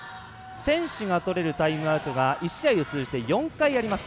選手がとれるタイムアウトが１試合を通じて４回あります。